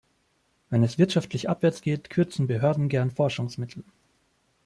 Wenn es wirtschaftlich abwärts geht, kürzen Behörden gern Forschungsmittel.